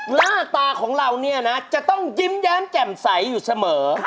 หน้าตาของเราเนี่ยนะจะต้องยิ้มแย้มแจ่มใสอยู่เสมอ